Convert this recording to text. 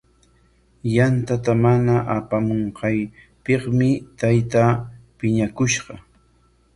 Yantata mana apamunqaapikmi taytaa piñakushqa.